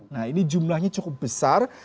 nah ini jumlahnya cukup besar